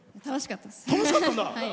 楽しかったです。